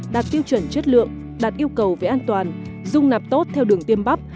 đạt tiêu chuẩn chất lượng đạt yêu cầu về an toàn dung nạp tốt theo đường tiêm bắp